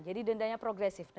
jadi dendanya progresif